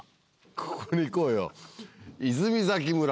ここに行こうよ泉崎村。